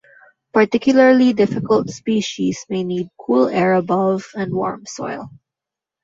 Particularly difficult species may need cool air above and warm soil.